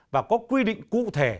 và có quy định cụ thể